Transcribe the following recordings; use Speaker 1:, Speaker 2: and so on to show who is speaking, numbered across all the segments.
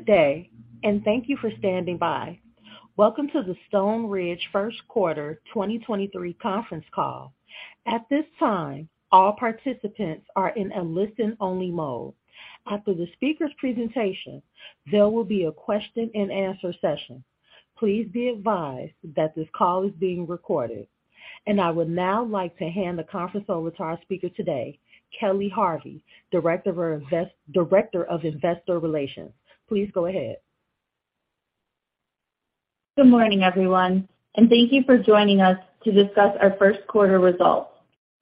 Speaker 1: Good day. Thank you for standing by. Welcome to the Stoneridge first quarter 2023 conference call. At this time, all participants are in a listen-only mode. After the speaker's presentation, there will be a question-and-answer session. Please be advised that this call is being recorded. I would now like to hand the conference over to our speaker today, Kelly Harvey, Director of Investor Relations. Please go ahead. Good morning, everyone, and thank you for joining us to discuss our first quarter results.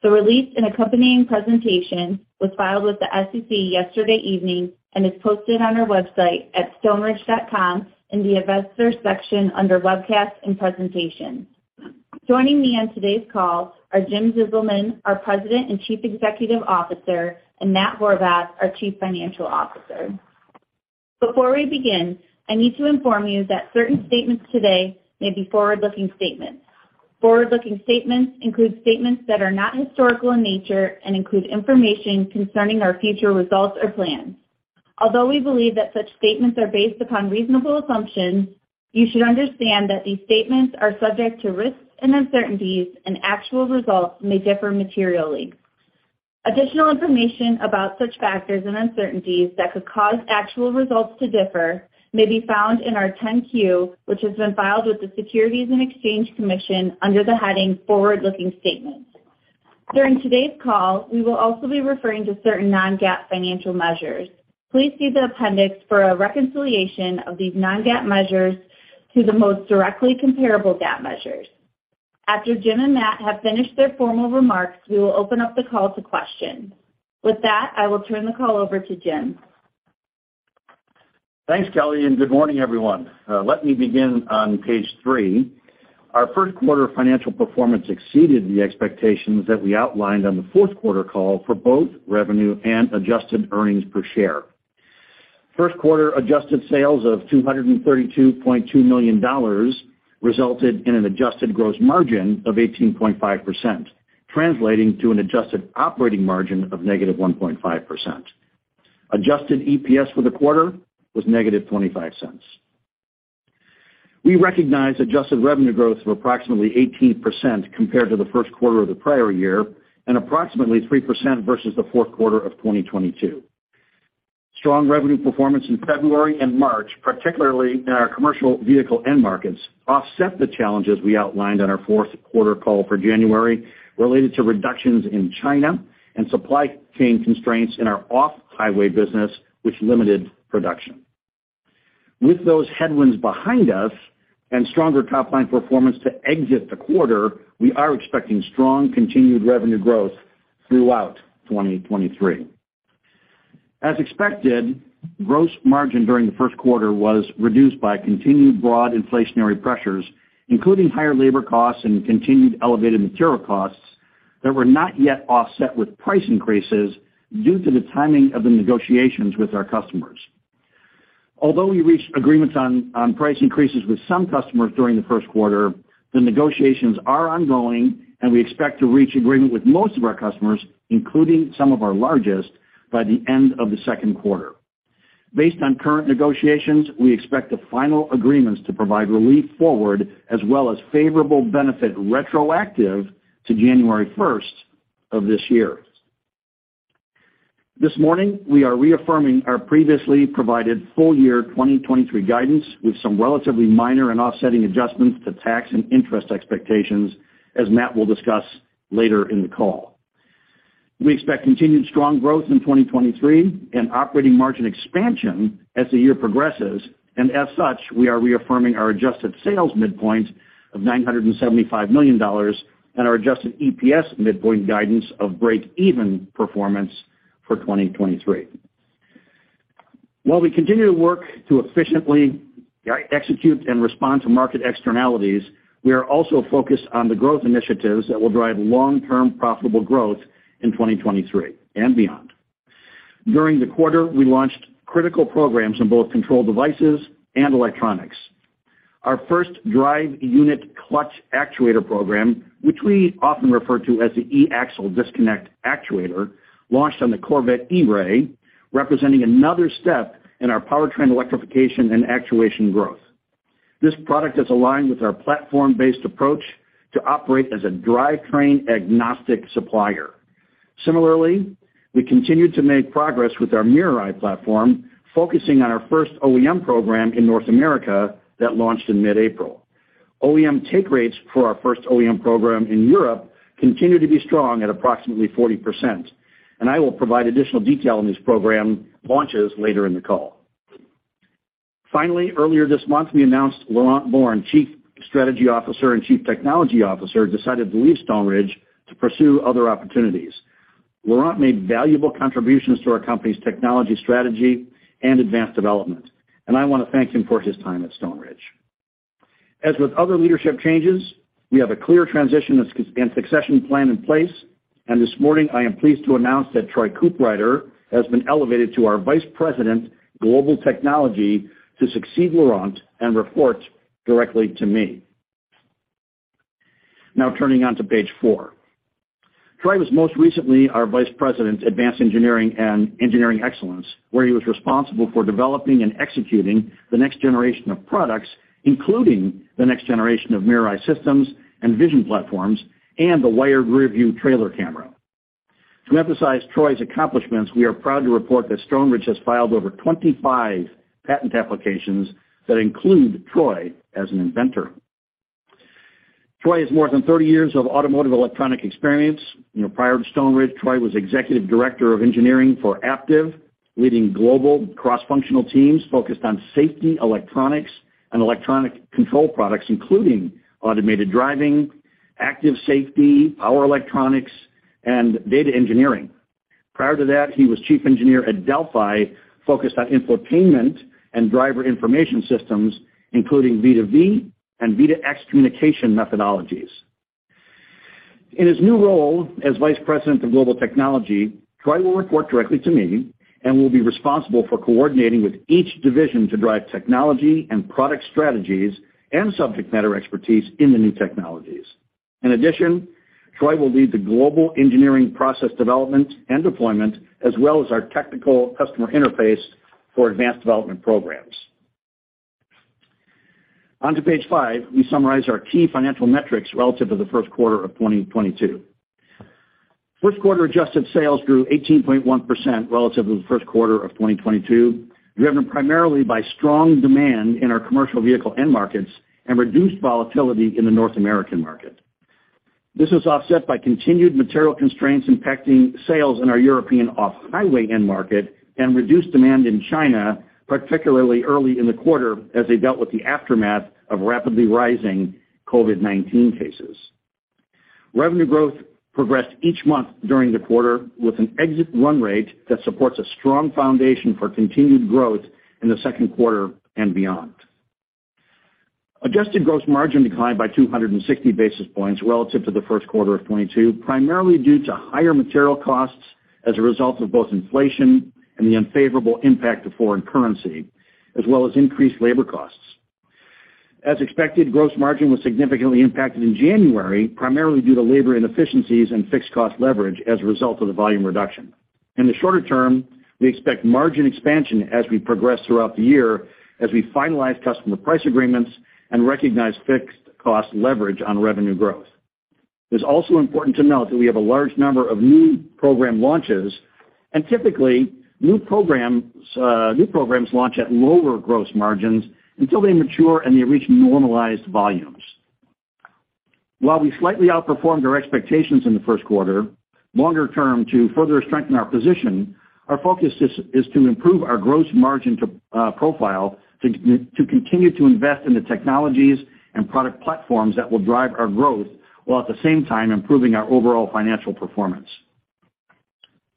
Speaker 1: The release and accompanying presentation was filed with the SEC yesterday evening and is posted on our website at stoneridge.com in the Investors section under Webcasts and Presentations. Joining me on today's call are Jim Zizelman, our President and Chief Executive Officer, and Matt Horvath, our Chief Financial Officer. Before we begin, I need to inform you that certain statements today may be forward-looking statements. Forward-looking statements include statements that are not historical in nature and include information concerning our future results or plans. Although we believe that such statements are based upon reasonable assumptions, you should understand that these statements are subject to risks and uncertainties, and actual results may differ materially. Additional information about such factors and uncertainties that could cause actual results to differ may be found in our 10-Q, which has been filed with the Securities and Exchange Commission under the heading Forward-looking Statements. During today's call, we will also be referring to certain non-GAAP financial measures. Please see the appendix for a reconciliation of these non-GAAP measures to the most directly comparable GAAP measures. After Jim and Matt have finished their formal remarks, we will open up the call to questions. With that, I will turn the call over to Jim.
Speaker 2: Thanks, Kelly, and good morning, everyone. Let me begin on page 3. Our first quarter financial performance exceeded the expectations that we outlined on the fourth quarter call for both revenue and adjusted earnings per share. First quarter adjusted sales of $232.2 million resulted in an adjusted gross margin of 18.5%, translating to an adjusted operating margin of -1.5%. Adjusted EPS for the quarter was -$0.25. We recognized adjusted revenue growth of approximately 18% compared to the first quarter of the prior year and approximately 3% versus the fourth quarter of 2022. Strong revenue performance in February and March, particularly in our commercial vehicle end markets, offset the challenges we outlined on our fourth quarter call for January related to reductions in China and supply chain constraints in our off-highway business, which limited production. With those headwinds behind us and stronger top line performance to exit the quarter, we are expecting strong continued revenue growth throughout 2023. As expected, gross margin during the first quarter was reduced by continued broad inflationary pressures, including higher labor costs and continued elevated material costs that were not yet offset with price increases due to the timing of the negotiations with our customers. We reached agreements on price increases with some customers during the first quarter, the negotiations are ongoing, and we expect to reach agreement with most of our customers, including some of our largest, by the end of the second quarter. Based on current negotiations, we expect the final agreements to provide relief forward as well as favorable benefit retroactive to January 1st of this year. This morning, we are reaffirming our previously provided full year 2023 guidance with some relatively minor and offsetting adjustments to tax and interest expectations as Matt will discuss later in the call. As such, we are reaffirming our adjusted sales midpoint of $975 million and our adjusted EPS midpoint guidance of break-even performance for 2023. While we continue to work to efficiently execute and respond to market externalities, we are also focused on the growth initiatives that will drive long-term profitable growth in 2023 and beyond. During the quarter, we launched critical programs in both Control Devices and Electronics. Our first drive unit clutch actuator program, which we often refer to as the e-axle disconnect actuator, launched on the Corvette E-Ray, representing another step in our powertrain electrification and actuation growth. This product is aligned with our platform-based approach to operate as a drivetrain agnostic supplier. Similarly, we continued to make progress with our MirrorEye platform, focusing on our first OEM program in North America that launched in mid-April. OEM take rates for our first OEM program in Europe continue to be strong at approximately 40%. I will provide additional detail on these program launches later in the call. Earlier this month, we announced Laurent Borne, Chief Strategy Officer and Chief Technology Officer, decided to leave Stoneridge to pursue other opportunities. Laurent made valuable contributions to our company's technology strategy and advanced development. I wanna thank him for his time at Stoneridge. As with other leadership changes, we have a clear transition and succession plan in place. This morning I am pleased to announce that Troy Cooprider has been elevated to our Vice President Global Technology to succeed Laurent and report directly to me. Turning on to page 4. Troy was most recently our Vice President, Advanced Engineering and Engineering Excellence, where he was responsible for developing and executing the next generation of products, including the next generation of MirrorEye systems and vision platforms and the wired rear-view trailer camera. To emphasize Troy's accomplishments, we are proud to report that Stoneridge has filed over 25 patent applications that include Troy as an inventor. Troy has more than 30 years of automotive electronic experience. You know, prior to Stoneridge, Troy was Executive Director of Engineering for Aptiv, leading global cross-functional teams focused on safety, Electronics, and electronic control products, including automated driving, active safety, power Electronics, and data engineering. Prior to that, he was Chief Engineer at Delphi, focused on infotainment and driver information systems, including V2V and V2X communication methodologies. In his new role as Vice President of Global Technology, Troy will report directly to me and will be responsible for coordinating with each division to drive technology and product strategies and subject matter expertise in the new technologies. In addition, Troy will lead the global engineering process development and deployment, as well as our technical customer interface for advanced development programs. On to page 5, we summarize our key financial metrics relative to the first quarter of 2022. First quarter adjusted sales grew 18.1% relative to the first quarter of 2022, driven primarily by strong demand in our commercial vehicle end markets and reduced volatility in the North American market. This was offset by continued material constraints impacting sales in our European off-highway end market and reduced demand in China, particularly early in the quarter as they dealt with the aftermath of rapidly rising COVID-19 cases. Revenue growth progressed each month during the quarter with an exit run rate that supports a strong foundation for continued growth in the second quarter and beyond. Adjusted gross margin declined by 260 basis points relative to the first quarter of 22, primarily due to higher material costs as a result of both inflation and the unfavorable impact of foreign currency, as well as increased labor costs. As expected, gross margin was significantly impacted in January, primarily due to labor inefficiencies and fixed cost leverage as a result of the volume reduction. In the shorter term, we expect margin expansion as we progress throughout the year as we finalize customer price agreements and recognize fixed cost leverage on revenue growth. It's also important to note that we have a large number of new program launches, typically, new programs launch at lower gross margins until they mature and they reach normalized volumes. While we slightly outperformed our expectations in the first quarter, longer term, to further strengthen our position, our focus is to improve our gross margin to profile to continue to invest in the technologies and product platforms that will drive our growth, while at the same time improving our overall financial performance.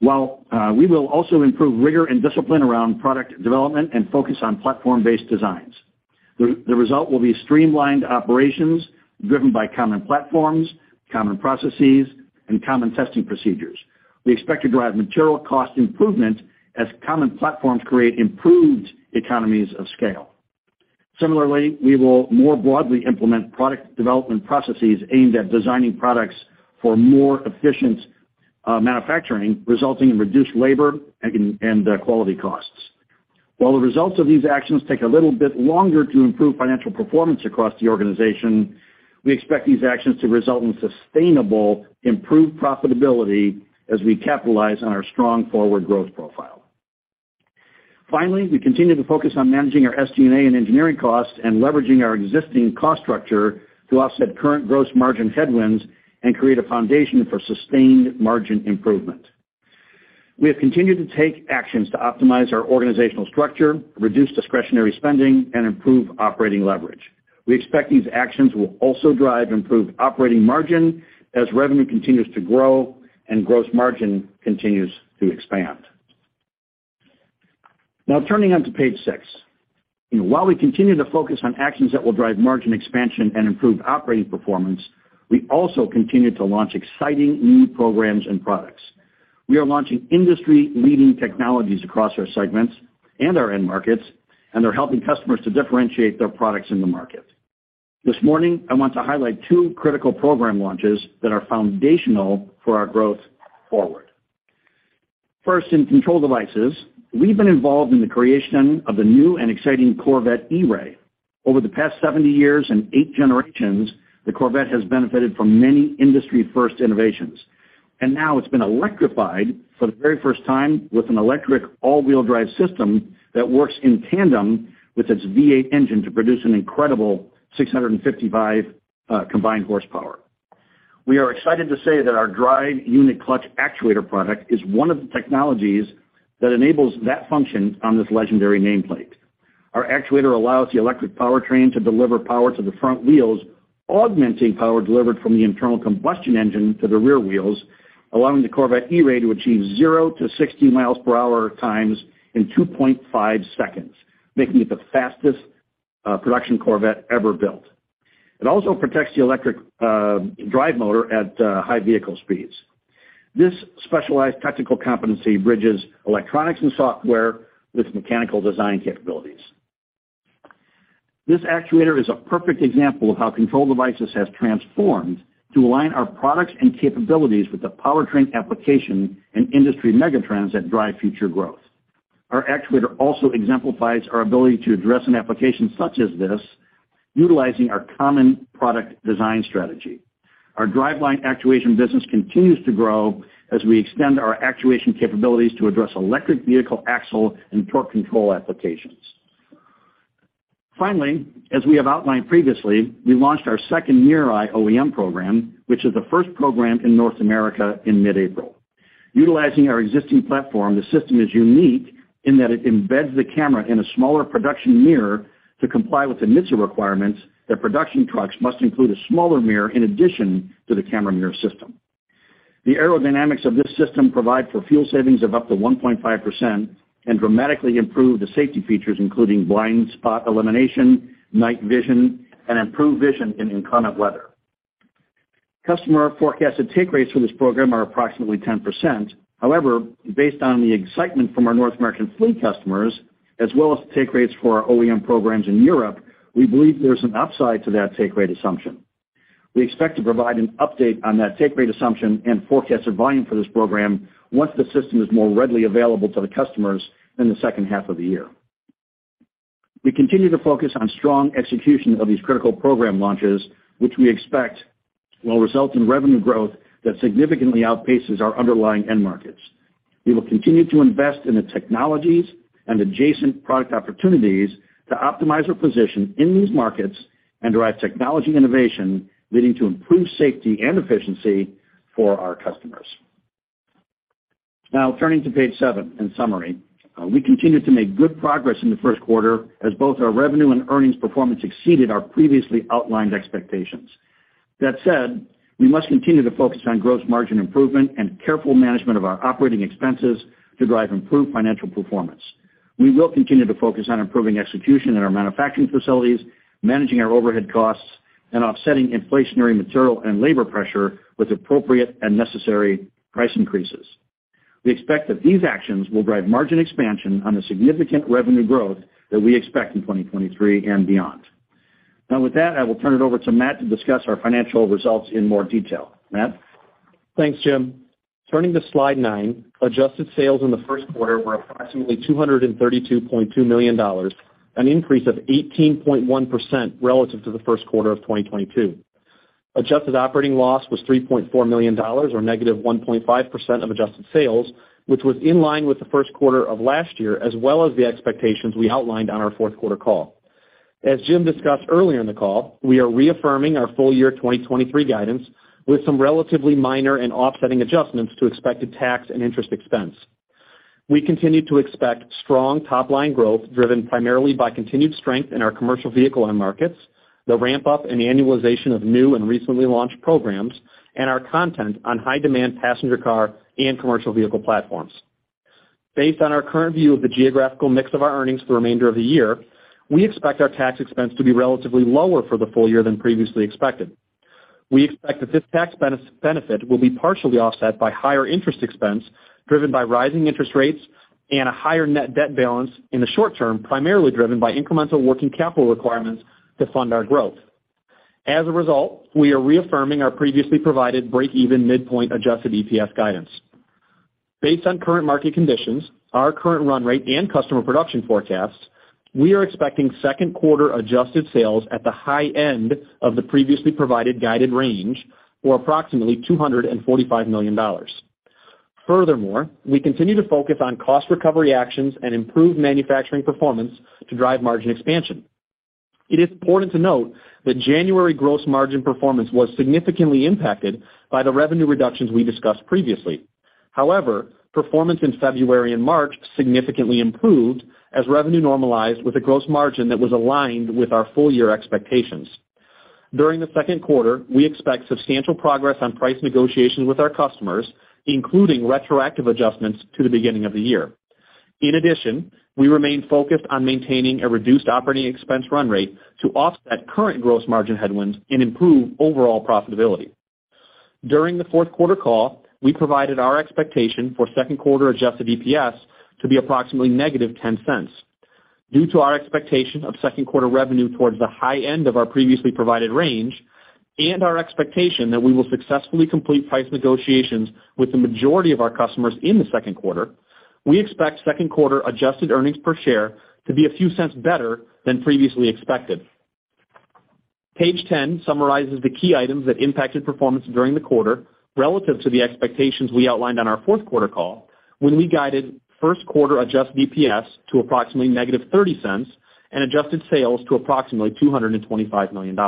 Speaker 2: While we will also improve rigor and discipline around product development and focus on platform-based designs. The result will be streamlined operations driven by common platforms, common processes, and common testing procedures. We expect to drive material cost improvement as common platforms create improved economies of scale. Similarly, we will more broadly implement product development processes aimed at designing products for more efficient manufacturing, resulting in reduced labor and quality costs. While the results of these actions take a little bit longer to improve financial performance across the organization, we expect these actions to result in sustainable improved profitability as we capitalize on our strong forward growth profile. We continue to focus on managing our SG&A and engineering costs and leveraging our existing cost structure to offset current gross margin headwinds and create a foundation for sustained margin improvement. We have continued to take actions to optimize our organizational structure, reduce discretionary spending, and improve operating leverage. We expect these actions will also drive improved operating margin as revenue continues to grow and gross margin continues to expand. Now turning on to page 6. You know, while we continue to focus on actions that will drive margin expansion and improve operating performance, we also continue to launch exciting new programs and products. We are launching industry-leading technologies across our segments and our end markets, and they're helping customers to differentiate their products in the market. This morning, I want to highlight two critical program launches that are foundational for our growth forward. First, in Control Devices, we've been involved in the creation of the new and exciting Corvette E-Ray. Over the past 70 years and 8 generations, the Corvette has benefited from many industry-first innovations. Now it's been electrified for the very first time with an electric all-wheel drive system that works in tandem with its V8 engine to produce an incredible 655 combined horsepower. We are excited to say that our drive unit clutch actuator product is one of the technologies that enables that function on this legendary nameplate. Our actuator allows the electric powertrain to deliver power to the front wheels, augmenting power delivered from the internal combustion engine to the rear wheels, allowing the Corvette E-Ray to achieve 0 to 60 miles per hour times in 2.5 seconds, making it the fastest production Corvette ever built. It also protects the electric drive motor at high vehicle speeds. This specialized technical competency bridges Electronics and software with mechanical design capabilities. This actuator is a perfect example of how Control Devices has transformed to align our products and capabilities with the powertrain application and industry megatrends that drive future growth. Our actuator also exemplifies our ability to address an application such as this, utilizing our common product design strategy. Our driveline actuation business continues to grow as we extend our actuation capabilities to address electric vehicle axle and torque control applications. Finally, as we have outlined previously, we launched our second MirrorEye OEM program, which is the first program in North America in mid-April. Utilizing our existing platform, the system is unique in that it embeds the camera in a smaller production mirror to comply with the NHTSA requirements that production trucks must include a smaller mirror in addition to the camera MirrorEye system. The aerodynamics of this system provide for fuel savings of up to 1.5% and dramatically improve the safety features, including blind spot elimination, night vision, and improved vision in inclement weather. Customer forecasted take rates for this program are approximately 10%. Based on the excitement from our North American fleet customers as well as the take rates for our OEM programs in Europe, we believe there's an upside to that take rate assumption. We expect to provide an update on that take rate assumption and forecasted volume for this program once the system is more readily available to the customers in the second half of the year. We continue to focus on strong execution of these critical program launches, which we expect will result in revenue growth that significantly outpaces our underlying end markets. We will continue to invest in the technologies and adjacent product opportunities to optimize our position in these markets and drive technology innovation, leading to improved safety and efficiency for our customers. Now turning to page 7. In summary, we continued to make good progress in the first quarter as both our revenue and earnings performance exceeded our previously outlined expectations. That said, we must continue to focus on gross margin improvement and careful management of our operating expenses to drive improved financial performance. We will continue to focus on improving execution at our manufacturing facilities, managing our overhead costs, and offsetting inflationary material and labor pressure with appropriate and necessary price increases. We expect that these actions will drive margin expansion on the significant revenue growth that we expect in 2023 and beyond. With that, I will turn it over to Matt to discuss our financial results in more detail. Matt?
Speaker 3: Thanks, Jim. Turning to slide nine, adjusted sales in the first quarter were approximately $232.2 million, an increase of 18.1% relative to the first quarter of 2022. Adjusted operating loss was $3.4 million or -1.5% of adjusted sales, which was in line with the first quarter of last year, as well as the expectations we outlined on our fourth quarter call. As Jim discussed earlier in the call, we are reaffirming our full year 2023 guidance with some relatively minor and offsetting adjustments to expected tax and interest expense. We continue to expect strong top line growth driven primarily by continued strength in our commercial vehicle end markets, the ramp up and annualization of new and recently launched programs, and our content on high demand passenger car and commercial vehicle platforms. Based on our current view of the geographical mix of our earnings for the remainder of the year, we expect our tax expense to be relatively lower for the full year than previously expected. We expect that this tax benefit will be partially offset by higher interest expense driven by rising interest rates and a higher net debt balance in the short term, primarily driven by incremental working capital requirements to fund our growth. We are reaffirming our previously provided breakeven midpoint adjusted EPS guidance. Based on current market conditions, our current run rate and customer production forecasts, we are expecting second quarter adjusted sales at the high end of the previously provided guided range, or approximately $245 million. We continue to focus on cost recovery actions and improved manufacturing performance to drive margin expansion. It is important to note that January gross margin performance was significantly impacted by the revenue reductions we discussed previously. Performance in February and March significantly improved as revenue normalized with a gross margin that was aligned with our full year expectations. During the second quarter, we expect substantial progress on price negotiations with our customers, including retroactive adjustments to the beginning of the year. We remain focused on maintaining a reduced operating expense run rate to offset current gross margin headwinds and improve overall profitability. During the fourth quarter call, we provided our expectation for second quarter adjusted EPS to be approximately negative $0.10. Due to our expectation of second quarter revenue towards the high end of our previously provided range and our expectation that we will successfully complete price negotiations with the majority of our customers in the second quarter, we expect second quarter adjusted earnings per share to be a few cents better than previously expected. Page 10 summarizes the key items that impacted performance during the quarter relative to the expectations we outlined on our fourth quarter call when we guided first quarter adjusted EPS to approximately -$0.30 and adjusted sales to approximately $225 million.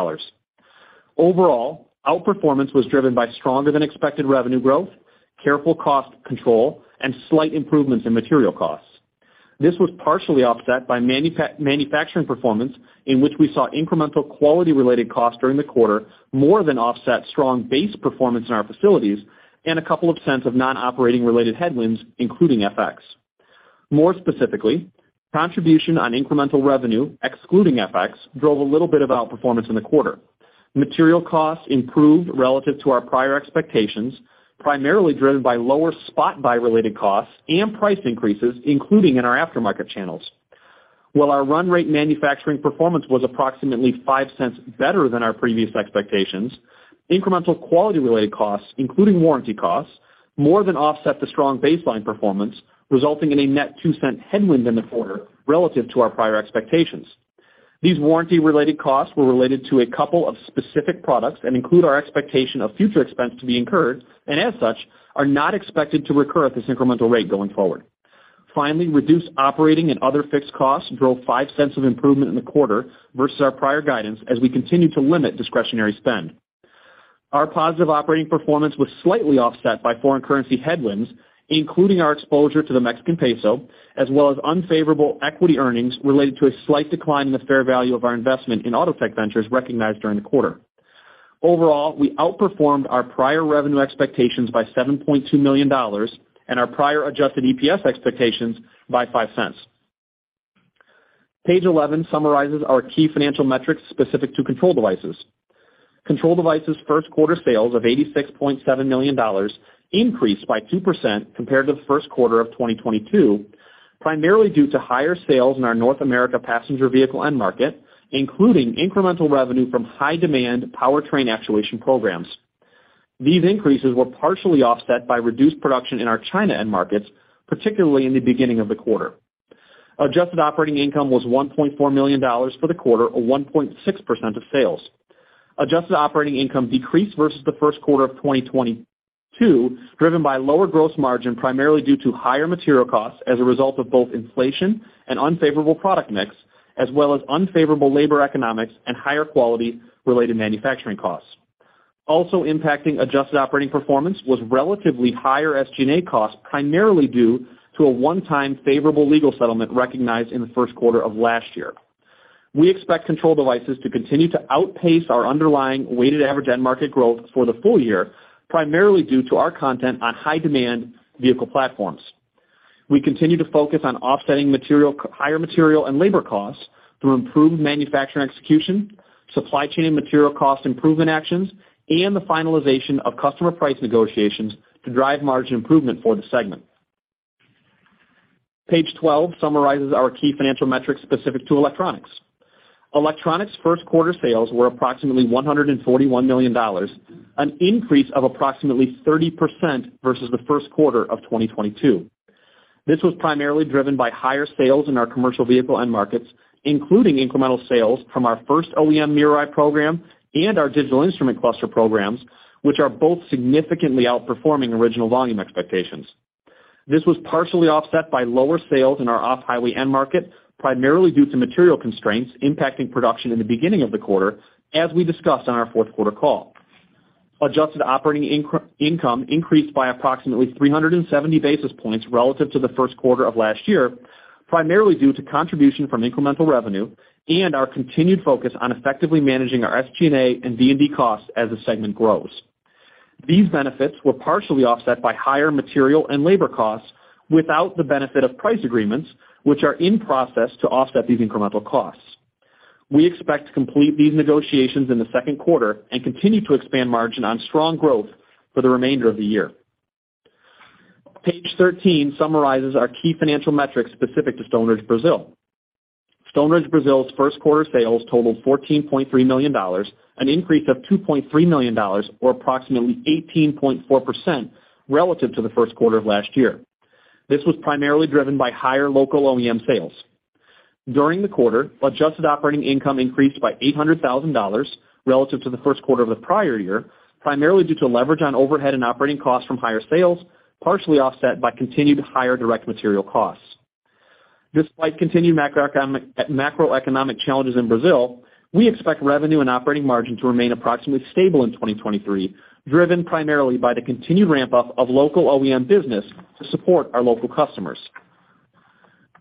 Speaker 3: Overall, outperformance was driven by stronger than expected revenue growth, careful cost control, and slight improvements in material costs. This was partially offset by manufacturing performance, in which we saw incremental quality-related costs during the quarter more than offset strong base performance in our facilities and a couple of cents of non-operating related headwinds, including FX. More specifically, contribution on incremental revenue excluding FX drove a little bit of outperformance in the quarter. Material costs improved relative to our prior expectations, primarily driven by lower spot buy related costs and price increases, including in our aftermarket channels. While our run rate manufacturing performance was approximately $0.05 better than our previous expectations, incremental quality related costs, including warranty costs, more than offset the strong baseline performance, resulting in a net $0.02 headwind in the quarter relative to our prior expectations. These warranty related costs were related to a couple of specific products and include our expectation of future expense to be incurred and as such, are not expected to recur at this incremental rate going forward. Finally, reduced operating and other fixed costs drove $0.05 of improvement in the quarter versus our prior guidance as we continue to limit discretionary spend. Our positive operating performance was slightly offset by foreign currency headwinds, including our exposure to the Mexican peso as well as unfavorable equity earnings related to a slight decline in the fair value of our investment in Autotech Ventures recognized during the quarter. Overall, we outperformed our prior revenue expectations by $7.2 million and our prior adjusted EPS expectations by $0.05. Page 11 summarizes our key financial metrics specific to Control Devices. Control Devices first quarter sales of $86.7 million increased by 2% compared to the first quarter of 2022, primarily due to higher sales in our North America passenger vehicle end market, including incremental revenue from high demand powertrain actuation programs. These increases were partially offset by reduced production in our China end markets, particularly in the beginning of the quarter. Adjusted operating income was $1.4 million for the quarter, or 1.6% of sales. Adjusted operating income decreased versus the first quarter of 2022, driven by lower gross margin, primarily due to higher material costs as a result of both inflation and unfavorable product mix, as well as unfavorable labor economics and higher quality related manufacturing costs. Also impacting adjusted operating performance was relatively higher SG&A costs, primarily due to a one-time favorable legal settlement recognized in the first quarter of last year. We expect Control Devices to continue to outpace our underlying weighted average end market growth for the full year, primarily due to our content on high demand vehicle platforms. We continue to focus on offsetting higher material and labor costs through improved manufacturing execution, supply chain and material cost improvement actions, and the finalization of customer price negotiations to drive margin improvement for the segment. Page 12 summarizes our key financial metrics specific to Electronics. Electronics first quarter sales were approximately $141 million, an increase of approximately 30% versus the first quarter of 2022. This was primarily driven by higher sales in our commercial vehicle end markets, including incremental sales from our first OEM MirrorEye program and our digital instrument cluster programs, which are both significantly outperforming original volume expectations. This was partially offset by lower sales in our off-highway end market, primarily due to material constraints impacting production in the beginning of the quarter, as we discussed on our fourth quarter call. Adjusted operating income increased by approximately 370 basis points relative to the first quarter of last year, primarily due to contribution from incremental revenue and our continued focus on effectively managing our SG&A and D&D costs as the segment grows. These benefits were partially offset by higher material and labor costs without the benefit of price agreements, which are in process to offset these incremental costs. We expect to complete these negotiations in the second quarter and continue to expand margin on strong growth for the remainder of the year. Page 13 summarizes our key financial metrics specific to Stoneridge Brazil. Stoneridge Brazil's first quarter sales totaled $14.3 million, an increase of $2.3 million or approximately 18.4% relative to the first quarter of last year. This was primarily driven by higher local OEM sales. During the quarter, adjusted operating income increased by $800,000 relative to the first quarter of the prior year, primarily due to leverage on overhead and operating costs from higher sales, partially offset by continued higher direct material costs. Despite continued macroeconomic challenges in Brazil, we expect revenue and operating margin to remain approximately stable in 2023, driven primarily by the continued ramp up of local OEM business to support our local customers.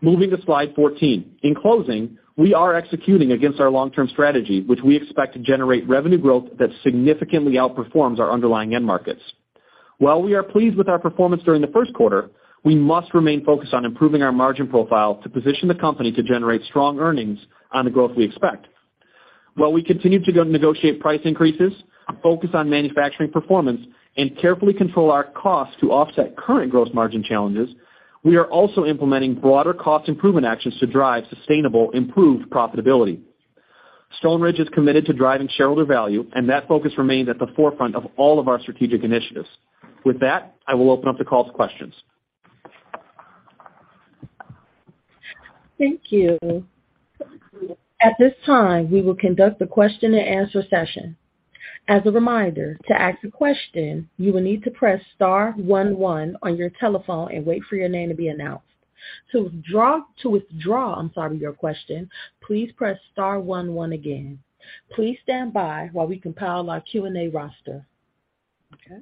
Speaker 3: Moving to slide 14. In closing, we are executing against our long-term strategy, which we expect to generate revenue growth that significantly outperforms our underlying end markets. While we are pleased with our performance during the first quarter, we must remain focused on improving our margin profile to position the company to generate strong earnings on the growth we expect. While we continue to go negotiate price increases, focus on manufacturing performance and carefully control our costs to offset current gross margin challenges, we are also implementing broader cost improvement actions to drive sustainable, improved profitability. Stoneridge is committed to driving shareholder value and that focus remains at the forefront of all of our strategic initiatives. With that, I will open up the call to questions.
Speaker 1: Thank you. At this time, we will conduct a question and answer session. As a reminder, to ask a question, you will need to press * one one on your telephone and wait for your name to be announced. To withdraw, I'm sorry, your question, please press * one one again. Please stand by while we compile our Q&A roster. Okay.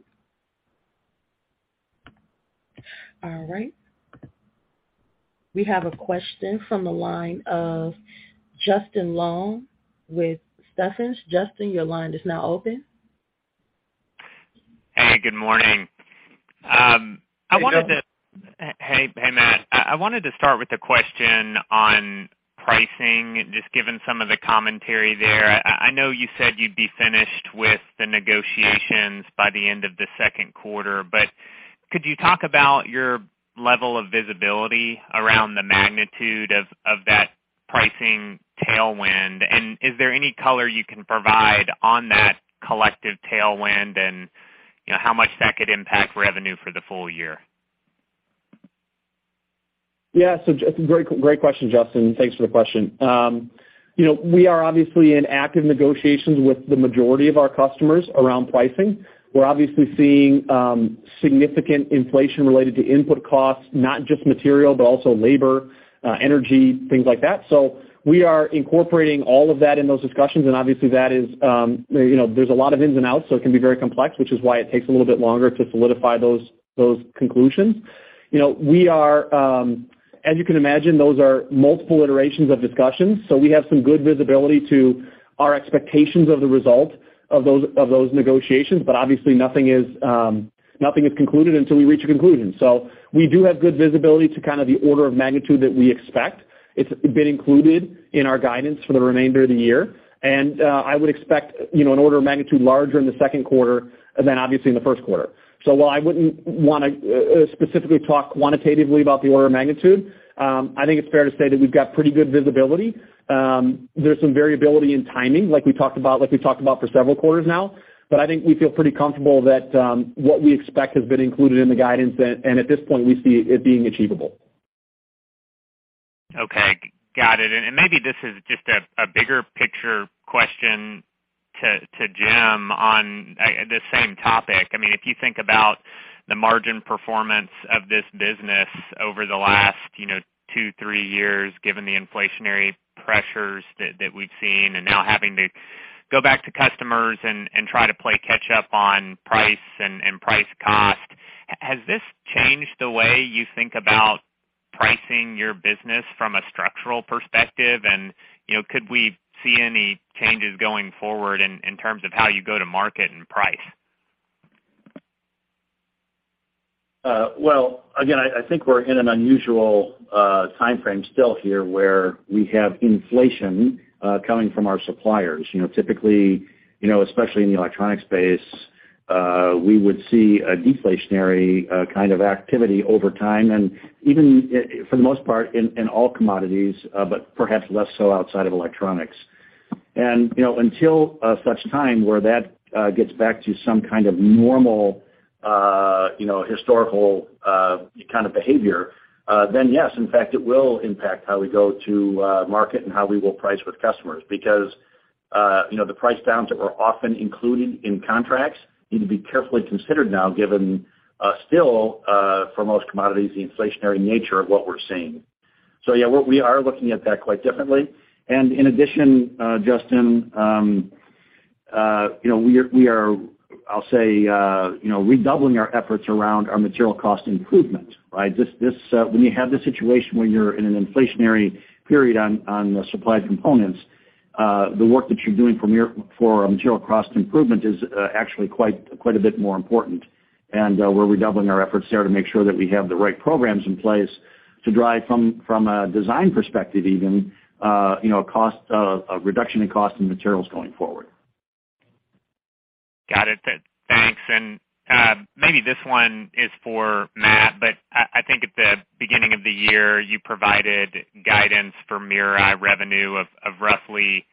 Speaker 1: All right. We have a question from the line of Justin Long with Stephens. Justin, your line is now open.
Speaker 4: Hey, good morning.
Speaker 3: Hey, Justin.
Speaker 4: Hey, Matt, I wanted to start with a question on pricing, just given some of the commentary there. I know you said you'd be finished with the negotiations by the end of the second quarter. Could you talk about your level of visibility around the magnitude of that pricing tailwind? Is there any color you can provide on that collective tailwind and, you know, how much that could impact revenue for the full year?
Speaker 3: Yeah. Great question, Justin. Thanks for the question. you know, we are obviously in active negotiations with the majority of our customers around pricing. We're obviously seeing significant inflation related to input costs, not just material, but also labor, energy, things like that. We are incorporating all of that in those discussions, and obviously that is, you know, there's a lot of ins and outs, so it can be very complex, which is why it takes a little bit longer to solidify those conclusions. You know, we are. As you can imagine, those are multiple iterations of discussions, so we have some good visibility to our expectations of the result of those negotiations. Obviously nothing is concluded until we reach a conclusion. We do have good visibility to kind of the order of magnitude that we expect. It's been included in our guidance for the remainder of the year. I would expect, you know, an order of magnitude larger in the second quarter than obviously in the first quarter. While I wouldn't wanna specifically talk quantitatively about the order of magnitude, I think it's fair to say that we've got pretty good visibility. There's some variability in timing, like we talked about, like we've talked about for several quarters now. I think we feel pretty comfortable that what we expect has been included in the guidance. At this point, we see it being achievable.
Speaker 4: Okay. Got it. Maybe this is just a bigger picture question to Jim on this same topic. I mean, if you think about the margin performance of this business over the last, you know, two, three years, given the inflationary pressures that we've seen, and now having to go back to customers and try to play catch up on price and price cost, has this changed the way you think about pricing your business from a structural perspective? You know, could we see any changes going forward in terms of how you go to market and price?
Speaker 2: Well, again, I think we're in an unusual timeframe still here, where we have inflation coming from our suppliers. You know, typically, you know, especially in the electronic space, we would see a deflationary kind of activity over time. Even for the most part, in all commodities, but perhaps less so outside of Electronics. You know, until such time where that gets back to some kind of normal, you know, historical kind of behavior, then yes, in fact, it will impact how we go to market and how we will price with customers. You know, the price downs that were often included in contracts need to be carefully considered now given still for most commodities, the inflationary nature of what we're seeing. Yeah, what we are looking at that quite differently. In addition, Justin, you know, we are, I'll say, you know, redoubling our efforts around our material cost improvement, right? This, when you have this situation where you're in an inflationary period on the supply components, the work that you're doing for material cost improvement is actually quite a bit more important. We're redoubling our efforts there to make sure that we have the right programs in place to drive from a design perspective even, you know, a cost, a reduction in cost and materials going forward.
Speaker 4: Got it. Thanks. Maybe this one is for Matt, but I think at the beginning of the year, you provided guidance for MirrorEye revenue of roughly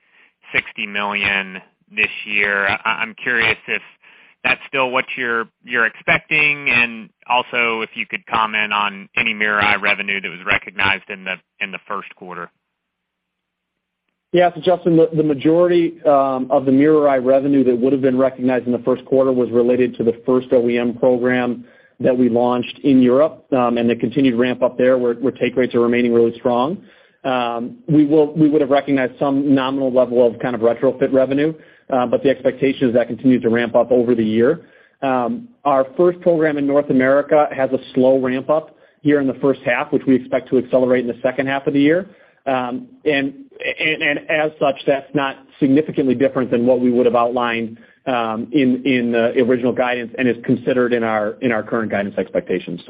Speaker 4: $60 million this year. I'm curious if that's still what you're expecting, and also if you could comment on any MirrorEye revenue that was recognized in the first quarter.
Speaker 3: Justin, the majority of the MirrorEye revenue that would've been recognized in the first quarter was related to the first OEM program that we launched in Europe, and the continued ramp up there where take rates are remaining really strong. We would've recognized some nominal level of kind of retrofit revenue, but the expectation is that continues to ramp up over the year. Our first program in North America has a slow ramp up here in the first half, which we expect to accelerate in the second half of the year. And as such, that's not significantly different than what we would've outlined in the original guidance and is considered in our current guidance expectations.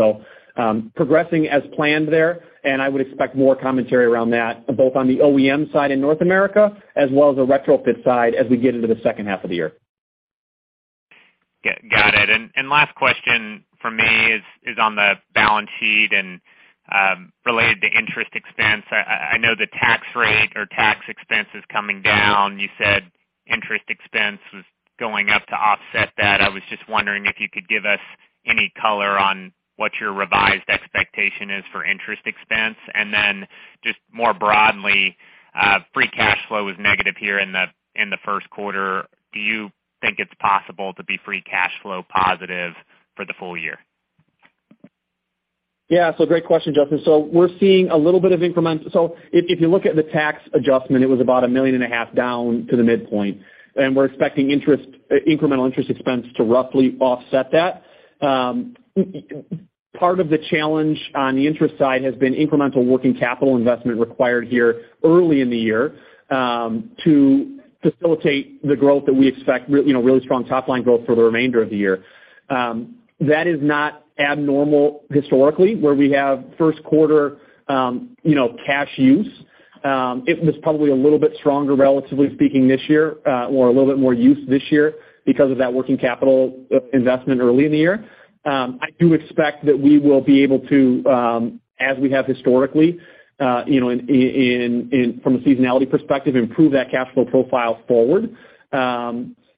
Speaker 3: Progressing as planned there, and I would expect more commentary around that, both on the OEM side in North America, as well as the retrofit side as we get into the second half of the year.
Speaker 4: Got it. Last question from me is on the balance sheet and related to interest expense. I know the tax rate or tax expense is coming down. You said interest expense was going up to offset that. I was just wondering if you could give us any color on what your revised expectation is for interest expense. Then just more broadly, free cash flow is negative here in the first quarter. Do you think it's possible to be free cash flow positive for the full year?
Speaker 3: Yeah. Great question, Justin. If you look at the tax adjustment, it was about a million and a half down to the midpoint, and we're expecting interest, incremental interest expense to roughly offset that. Part of the challenge on the interest side has been incremental working capital investment required here early in the year, to facilitate the growth that we expect, you know, really strong top-line growth for the remainder of the year. That is not abnormal historically, where we have first quarter, you know, cash use. It was probably a little bit stronger, relatively speaking, this year, or a little bit more use this year because of that working capital investment early in the year. I do expect that we will be able to, as we have historically, from a seasonality perspective, improve that cash flow profile forward. Obviously,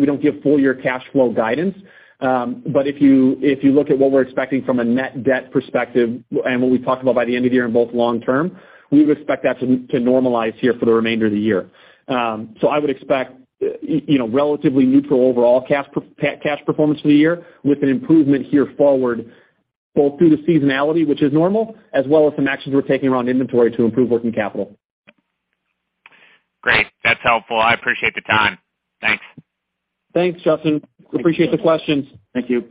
Speaker 3: we don't give full year cash flow guidance. If you look at what we're expecting from a net debt perspective and what we talked about by the end of the year in both long term, we would expect that to normalize here for the remainder of the year. I would expect relatively neutral overall cash performance for the year with an improvement here forward, both through the seasonality, which is normal, as well as some actions we're taking around inventory to improve working capital.
Speaker 4: Great. That's helpful. I appreciate the time. Thanks.
Speaker 3: Thanks, Justin. Appreciate the questions.
Speaker 4: Thank you.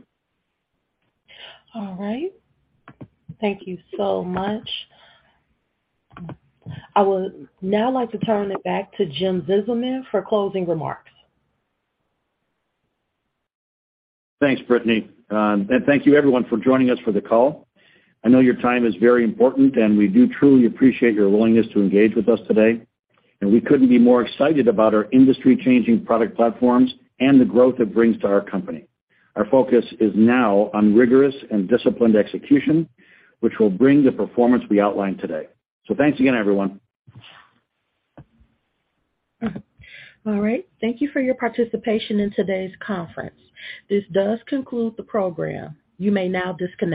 Speaker 1: All right. Thank you so much. I would now like to turn it back to Jim Zizelman for closing remarks.
Speaker 2: Thanks, Brittany. Thank you everyone for joining us for the call. I know your time is very important. We do truly appreciate your willingness to engage with us today. We couldn't be more excited about our industry-changing product platforms and the growth it brings to our company. Our focus is now on rigorous and disciplined execution, which will bring the performance we outlined today. Thanks again, everyone.
Speaker 1: All right. Thank you for your participation in today's conference. This does conclude the program. You may now disconnect.